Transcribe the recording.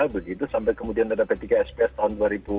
begitu sampai kemudian ada pckps tahun dua ribu sembilan dua ribu dua belas